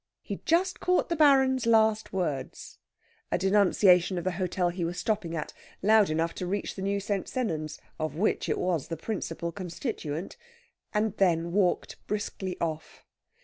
He just caught the Baron's last words a denunciation of the hotel he was stopping at, loud enough to reach the new St. Sennans, of which it was the principal constituent and then walked briskly off.